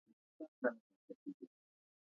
استاد بینوا د ملت ویاند بلل کېږي.